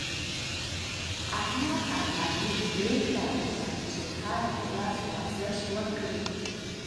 احمد او علي پرېکړه وکړه، چې هره ورځ ورزش وکړي